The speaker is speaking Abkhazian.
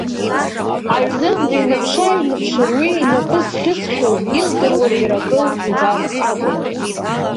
Аҩны дныҩнаԥшыааҩнаԥшыр, уи инапы зхьысхьоу, илдыруа џьара акы лбар акәын.